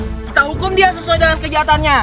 kita hukum dia sesuai dengan kejahatannya